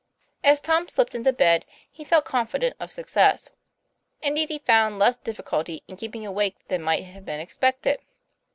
As Tom slipped into bed he felt confident of suc cess. Indeed, he found less difficulty in keeping awake than might have been expected.